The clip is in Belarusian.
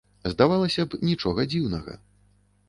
Здавалася б, нічога дзіўнага.